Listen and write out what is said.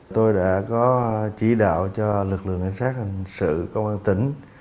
tôi đã có chỉ đạo cho lực lượng cảnh sát hình sự công an tỉnh